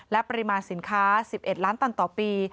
และปริมาณสินค้า๑๑ล้านตันต่อปี